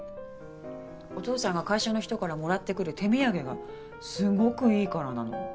お父さんが会社の人からもらってくる手土産がすごくいいからなの。